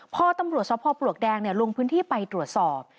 พอตำรวจสภปลวกแดงลงพื้นที่ไปตรวจสอบ